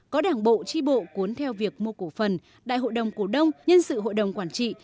có đảng bộ tri bộ cuốn theo việc mua cổ phần đại hội đồng cổ đông nhân sự hội đồng quản trị